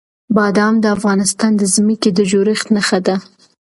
بادام د افغانستان د ځمکې د جوړښت نښه ده.